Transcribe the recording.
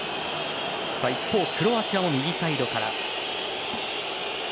一方、クロアチアも右サイドから。